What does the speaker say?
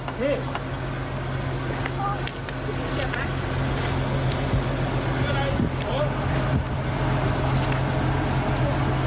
พี่เจ็บไหม